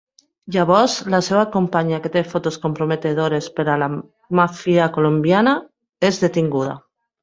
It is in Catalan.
Llavors, la seva companya, que té fotos comprometedores per a la màfia colombiana, és detinguda.